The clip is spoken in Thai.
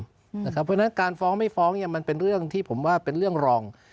เพราะฉะนั้นการฟ้องไม่ฟ้องมันเป็นเรื่องที่ผมว่าเป็นเรื่องรอง